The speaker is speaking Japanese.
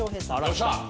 よっしゃ。